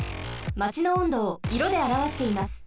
マチの温度をいろであらわしています。